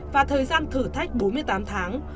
và thời gian thử thách bốn mươi tám tháng